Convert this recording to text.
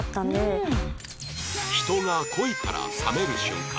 人が恋から冷める瞬間